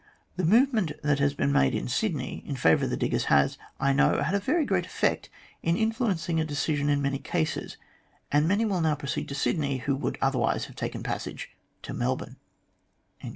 The movement that has been made in Sydney in favour of the diggers has, I know, had a very great effect in influencing a decision in many cases, and many will now pro ceed to Sydney who would otherwise have taken passage to Melbourne."